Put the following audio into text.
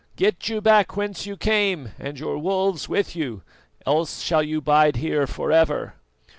Get you back whence you came, and your wolves with you, else shall you bide here for ever."